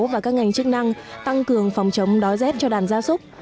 và các ngành chức năng tăng cường phòng chống đói rét cho đàn gia súc